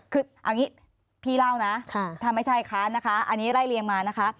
คืออย่างนี้พี่เล่านะถ้าไม่ใช่ค่ะอันนี้ไล่เลียงมานะคะ